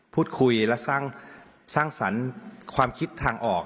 พูดคุยและสร้างสรรค์ความคิดทางออก